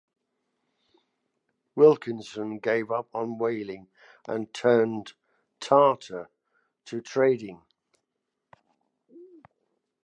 Wilkinson gave up on whaling and turned "Tartar" to trading.